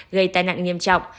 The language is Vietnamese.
gây tai nạn nghiêm trọng